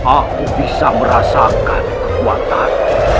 aku bisa merasakan kekuatan